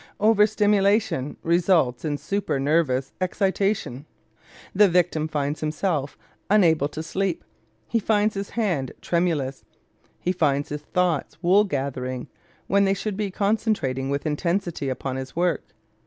Over stimulation results in super nervous excitation. The victim finds himself unable to sleep, he finds his hand tremulous, he finds his thoughts wool gathering when they should be concentrating with intensity upon his work.